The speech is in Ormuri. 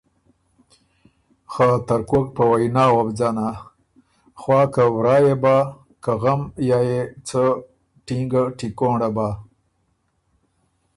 خه ترکوک په وئنا وه بُو ځنا خوا که ورا يې بۀ که غم یا يې څه ټینګه ټیکونړه بۀ۔